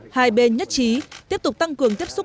hai bên nhất trí tiếp tục tăng cường tiếp xúc